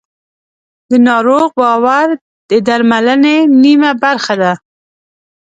د ناروغ باور د درملنې نیمه برخه ده.